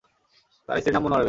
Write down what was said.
তার স্ত্রীর নাম মনোয়ারা বেগম।